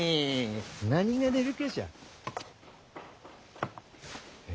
何が出るかしゃん？